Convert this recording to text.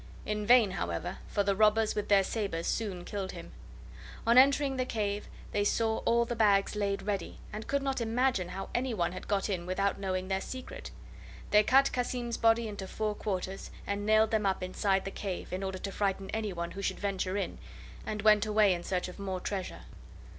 In vain, however, for the robbers with their sabres soon killed him. On entering the cave they saw all the bags laid ready, and could not imagine how anyone had got in without knowing their secret. They cut Cassim's body into four quarters, and nailed them up inside the cave, in order to frighten anyone who should venture in, and went away in search of more treasure.